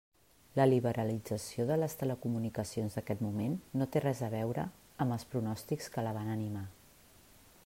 La liberalització de les telecomunicacions d'aquest moment no té res a veure amb els pronòstics que la van animar.